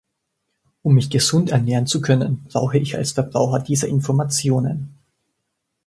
Um mich gesund ernähren zu können, brauche ich als Verbraucher diese Informationen.